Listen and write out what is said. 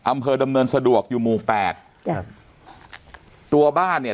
อำเภอดำเนินสะดวกอยู่มูล๘ตัวบ้านเนี่ย